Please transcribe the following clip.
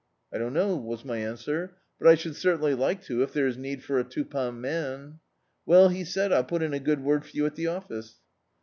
"I don't know," was my answer, "but I should certainly like to, if there is need of a two pound man." "Well," he said, "I'll put in a good word for you at die office."